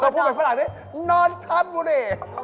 พูดแบบฝรั่งนี้นอนทับบุเร